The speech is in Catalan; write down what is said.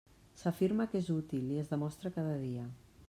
S'afirma que és útil, i es demostra cada dia.